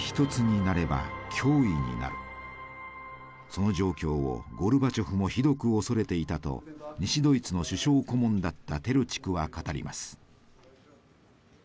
その状況をゴルバチョフもひどく恐れていたと西ドイツの首相顧問だったテルチクは語ります。